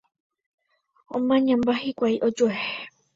Omañamba hikuái ojuehe